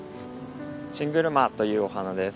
チングルマというお花です。